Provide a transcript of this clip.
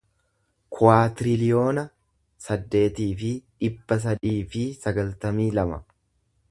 kuwaatiriliyoona saddeetii fi dhibba sadii fi sagaltamii lama